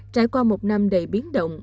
trải qua một năm đầy biến động